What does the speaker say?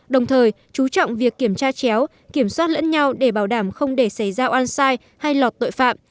đồng thời chú trọng việc kiểm tra chéo kiểm soát lẫn nhau để bảo đảm không để xảy ra oan sai hay lọt tội phạm